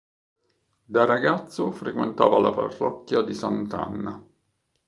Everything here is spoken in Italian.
Da ragazzo frequentava la parrocchia di Sant'Anna.